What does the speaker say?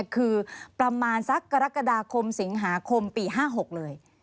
คือประมาณสักกรกฎาคมสิงหาคมปี๕๖เลย